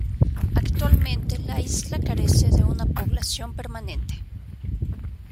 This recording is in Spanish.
Actualmente la isla carece de una población permanente.